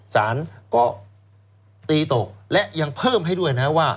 สารก็ตีตกและยังเพิ่มให้ด้วยนะว่า